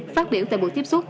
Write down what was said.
phát biểu tại buổi tiếp xúc